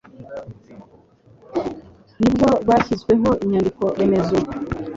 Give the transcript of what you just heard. Ni bwo hashyizweho inyandiko-remezo